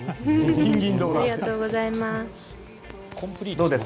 ありがとうございます。